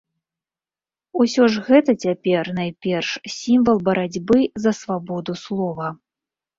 Усё ж гэта цяпер найперш сімвал барацьбы за свабоду слова.